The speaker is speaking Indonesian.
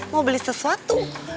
mau beli sesuatu